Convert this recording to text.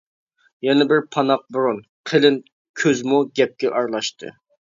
يەنە بىر پاناق بۇرۇن، قىلىن كۆزمۇ گەپكە ئارىلاشتى.